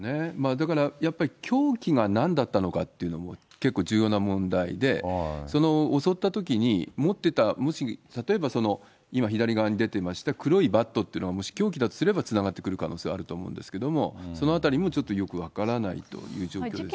だからやっぱり、凶器がなんだったのかっていうのも結構重要な問題で、襲ったときに持ってた、例えば今、左側に出てました黒いバットってのがもし凶器だとすればつながってくる可能性はあると思うんですけれども、そのあたりもちょっとよく分からないという状況ですよね。